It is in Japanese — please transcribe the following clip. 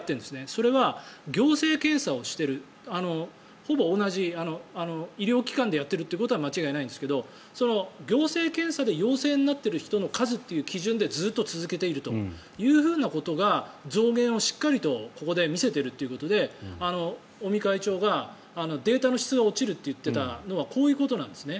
それは行政検査をしているほぼ同じ医療機関でやっているということは間違いないんですが行政検査で陽性になっている人の数という基準でずっと続けているということが増減をしっかりとここで見せているということで尾身会長がデータの質が落ちると言っていたのはこういうことなんですね。